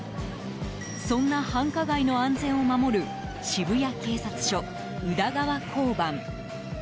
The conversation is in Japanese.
そんな繁華街の安全を守る渋谷警察署、宇田川交番。